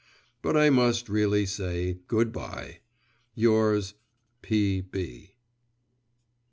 But I must really say, good bye! Yours, P.